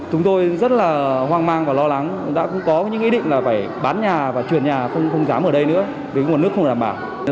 chúng tôi rất là hoang mang và lo lắng đã cũng có những ý định là phải bán nhà và truyền nhà không dám ở đây nữa vì nguồn nước không đảm bảo